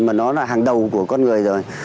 mà nó là hàng đầu của con người rồi